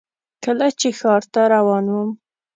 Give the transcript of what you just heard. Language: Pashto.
کله چې ښار ته روان وم .